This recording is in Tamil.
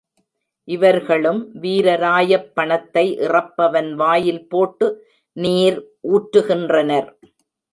இவர்களும் வீரராயப் பணத்தை இறப்பவன் வாயில் போட்டு நீர் ஊற்றுகின்றனர்.